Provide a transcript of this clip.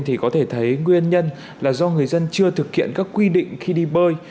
thì có thể thấy nguyên nhân là do người dân chưa thực hiện các quy định khi đi bơi